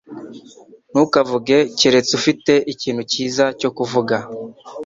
Ntukavuge keretse ufite ikintu cyiza cyo kuvuga.